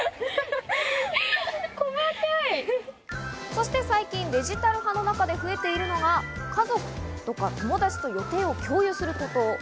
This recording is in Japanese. そして最近デジタル派の中で増えているのが、家族とか友達と予定を共有すること。